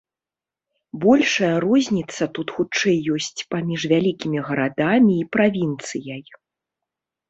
Большая розніца тут хутчэй ёсць паміж вялікімі гарадамі і правінцыяй.